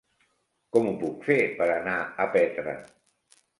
Com ho puc fer per anar a Petra?